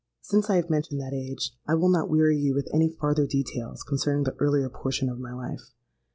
"Since I have mentioned that age, I will not weary you with any farther details concerning the earlier portion of my life.